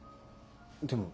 でも。